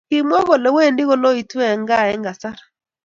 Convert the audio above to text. Kimwa kole wendi koloitu eng gaa eng kasar.